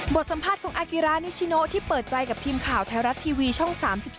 สัมภาษณ์ของอากิรานิชิโนที่เปิดใจกับทีมข่าวไทยรัฐทีวีช่อง๓๒